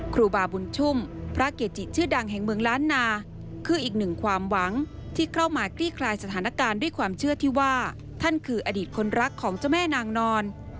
คนรักของเจ้าแม่นางนอน